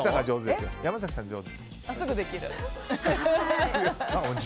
すぐできる。